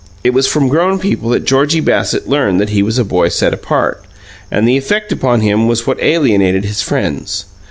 It was from grown people that Georgie Bassett learned he was a boy set apart, and the effect upon him was what alienated his friends.